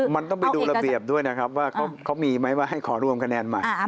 มันต้องไปดูระเบียบด้วยนะครับว่าเขามีไหมว่าให้ขอรวมคะแนนใหม่